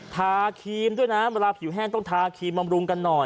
ทาครีมด้วยนะเวลาผิวแห้งต้องทาครีมบำรุงกันหน่อย